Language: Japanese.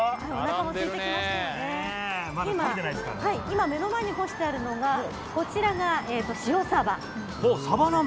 今、目の前に干してあるのがこちらが塩サバ。